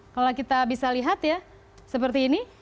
kalau kita bisa lihat ya seperti ini